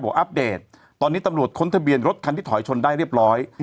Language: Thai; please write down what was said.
อัปเดตตอนนี้ตำรวจค้นทะเบียนรถคันที่ถอยชนได้เรียบร้อย